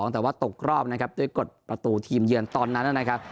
แต่ว่าตกรอบนะครับด้วยกฎประตูทีมเยือนตอนนั้นนะครับ